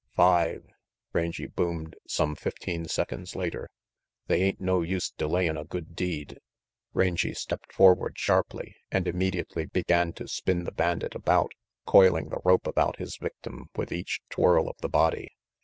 "Five," Rangy boomed some fifteen seconds later. "They ain't no use delayin' a good deed." Rangy stepped forward sharply, and immediately began to spin the bandit about, coiling the rope around his victim with each twirl of the body.